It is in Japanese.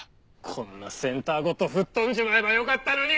こんなセンターごと吹っ飛んじまえばよかったのに！